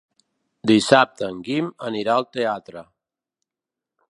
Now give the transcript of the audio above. Dissabte en Guim anirà al teatre.